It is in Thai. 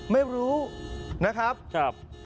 ไม่รู้นะครับ